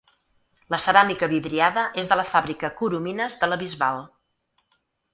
La ceràmica vidriada és de la fàbrica Coromines de la Bisbal.